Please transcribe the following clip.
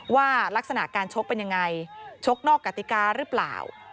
ว่าลักษณะการชกเป็นยังไงชกนอกกติกาหรือเปล่า